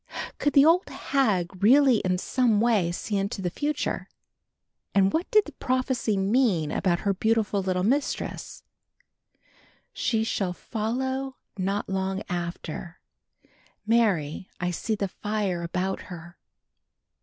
Could the old hag really in some way see into the future, and what did the prophecy mean about her beautiful little mistress, "she shall follow not long after; marry, I see the fire about her"?